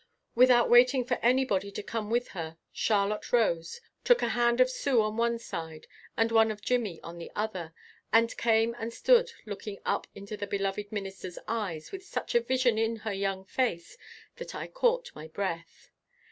Without waiting for anybody to come with her, Charlotte rose, took a hand of Sue on one side and one of Jimmy on the other, and came and stood looking up into the beloved Minister's eyes with such a vision in her young face that I caught my breath.